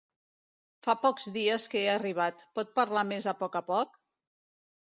Fa poc dies que he arribat, pot parlar més a poc a poc?